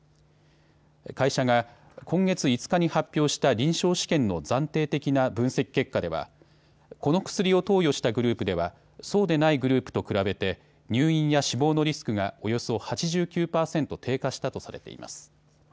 会社が今月５日に発表した臨床試験の暫定的な分析結果ではこの薬を投与したグループではそうでないグループと比べて入院や死亡のリスクがおよそ８９％低下したとされています。